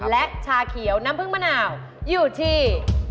และชาเขียวน้ำผึ้งมะนาวอยู่ที่